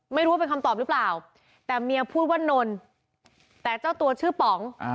ไม่รู้ว่าเป็นคำตอบหรือเปล่าแต่เมียพูดว่านนแต่เจ้าตัวชื่อป๋อง